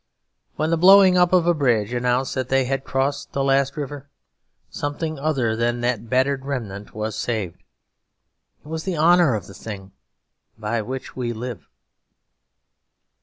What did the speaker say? When the blowing up of a bridge announced that they had crossed the last river, something other than that battered remnant was saved; it was the honour of the thing by which we live.